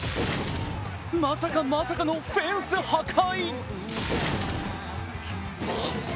まさかまさかのフェンス破壊。